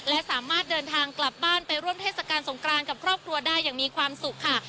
และสามารถเดินทางกลับบ้านไปร่วมเทศกาลสงกรานกับครอบครัวได้อย่างมีความสุขค่ะ